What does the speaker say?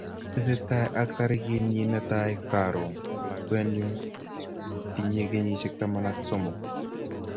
tesetai ak tarikit nyin ne tai karon lakwenyu ne tinyei kenyisiek taman ak somok